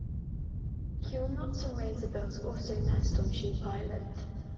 Guillemots and razorbills also nest on Sheep Island.